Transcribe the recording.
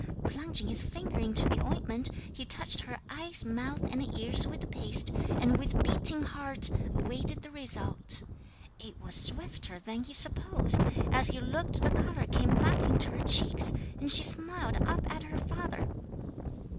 Plunging his finger into the ointment he touched her eyes, mouth and ears with the paste, and with beating heart awaited the result. 'It was swifter than he supposed. As he looked the colour came back into her cheeks, and she smiled up at her father.